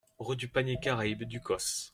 Rue du Panier Caraïbe, Ducos